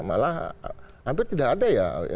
malah hampir tidak ada ya